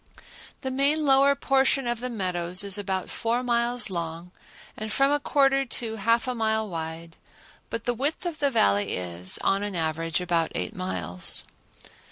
The main lower portion of the meadows is about four miles long and from a quarter to half a mile wide, but the width of the Valley is, on an average, about eight miles.